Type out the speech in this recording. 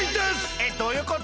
えっどういうこと？